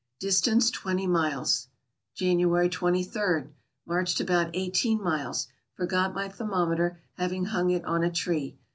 Distance twenty miles. January 23. — Marched about eighteen miles. Forgot my thermometer, having hung it on a tree.